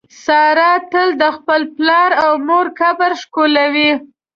ساره تل د خپل پلار او مور قبر ښکلوي.